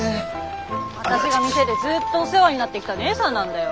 あたしが店でずっとお世話になってきたねえさんなんだよ。